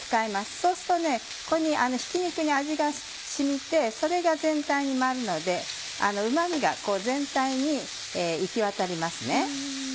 そうするとひき肉に味が染みてそれが全体に回るのでうま味が全体に行きわたりますね。